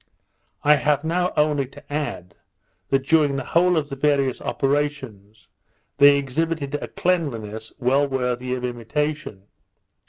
I have now only to add, that during the whole of the various operations, they exhibited a cleanliness well worthy of imitation.